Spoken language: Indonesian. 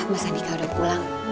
mas andika udah pulang